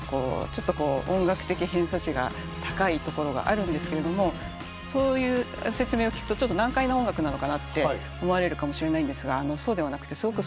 ちょっと音楽的偏差値が高いところがあるんですがそういう説明を聞くと難解な音楽なのかなって思われるかもしれないんですがそうではなくて。